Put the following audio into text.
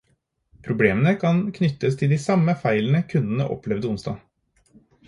Problemene kan knyttes til de samme feilene kunder opplevde onsdag.